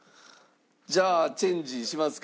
じゃあチェンジしますか？